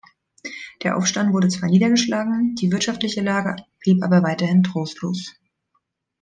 Der Aufstand wurde zwar niedergeschlagen, die wirtschaftliche Lage blieb aber weiterhin trostlos.